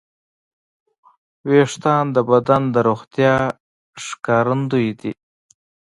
وېښتيان د بدن د روغتیا ښکارندوی دي.